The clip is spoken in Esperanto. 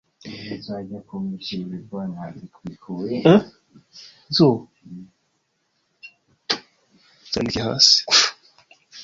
Tio kaj la morto de lia nura laŭleĝa filo kaj heredanto forte frapis lin.